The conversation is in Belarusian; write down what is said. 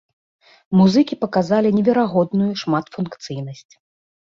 Музыкі паказалі неверагодную шматфункцыйнасць.